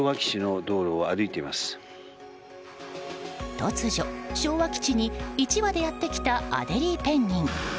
突如、昭和基地に１羽でやってきたアデリーペンギン。